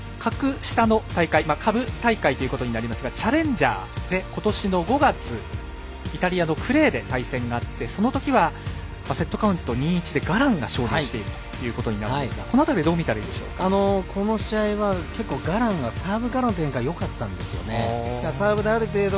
ただ下部大会ということになりますがチャレンジャーで今年の５月、イタリアのクレーで対戦があってそのときはセットカウント２−１でガランが勝利しているということになるんですがこの辺りはこの試合は結構、ガランがサーブからの展開がよかったんですよね。